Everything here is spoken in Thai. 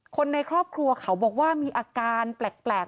คนในครอบครัวเขาบอกว่ามีอาการแปลก